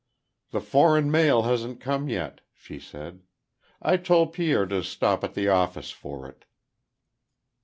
"The foreign mail hasn't come yet," she said. "I told Pierre to stop at the office for it."